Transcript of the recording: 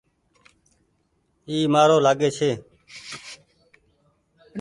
اي مآر لآگي ڇي ۔